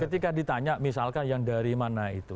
ketika ditanya misalkan yang dari mana itu